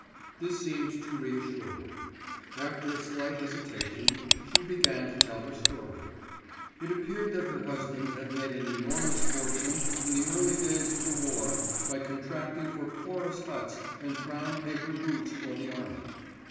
This seemed to reassure her. After a slight hesitation she began to tell her story. It appeared that her husband had made an enormous fortune in the early days of the war by contracting for porous huts and brown paper boots for the Army.